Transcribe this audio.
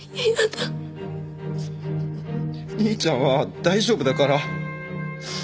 兄ちゃんは大丈夫だから。